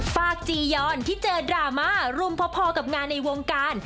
ฝากจียอนที่เจอดราม่ารุมพอกับงานในวงการ